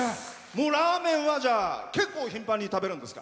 ラーメンは結構、頻繁に食べるんですか？